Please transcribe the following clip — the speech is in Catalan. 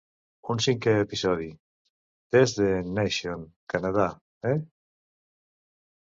Un cinquè episodi: "Test the Nation: Canada Eh?"